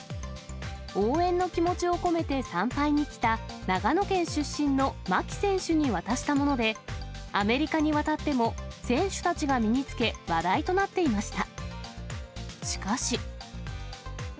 応援の気持ちを込めて参拝に来た、長野県出身の牧選手に渡したもので、アメリカに渡っても選手たちが身につけ、話題となっていました。